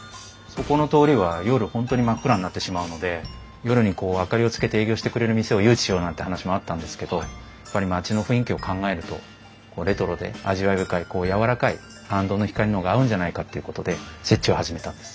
ここの通りは夜本当に真っ暗になってしまうので夜に明かりをつけて営業してくれる店を誘致しようなんて話もあったんですけどやっぱり町の雰囲気を考えるとレトロで味わい深いやわらかい行灯の光の方が合うんじゃないかっていうことで設置を始めたんです。